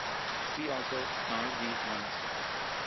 See also "R v Thomas".